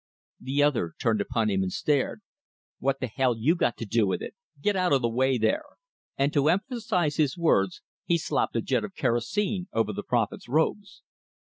The other turned upon him and stared. "What the hell you got to do with it? Get out of the way there!" And to emphasize his words he slopped a jet of kerosene over the prophet's robes.